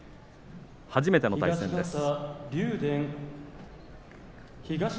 初めての対戦です。